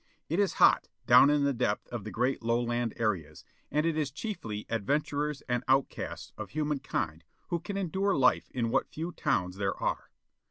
It is hot, down in the depth of the great Lowland areas, and it is chiefly adventurers and outcasts of human kind who can endure life in what few towns there are.